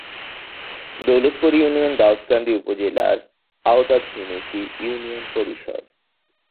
Daulatpur union Daudkandi উপজেলার আওতাধীন একটি ইউনিয়ন পরিষদ।